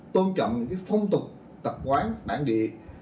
tôn trọng những phong tục tập quán bản địa